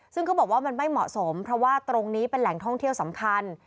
ซึ่งเขาบอกว่ามันไม่เหมาะสมเพราะว่าตรงนี้เป็นแหล่งท่องเที่ยวสำคัญ